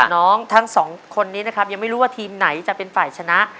น้องทั้งสองคนนี้ยังไม่รู้ว่าทีมไหนจะเป็นฝ่ายชนะ